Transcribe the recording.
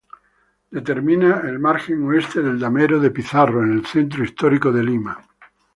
Determina el margen oeste del Damero de Pizarro en el centro histórico de Lima.